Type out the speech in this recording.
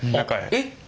えっ！